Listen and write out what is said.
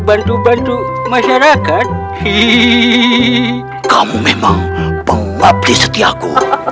bantu bantu masyarakat ih kamu memang memuji setiaku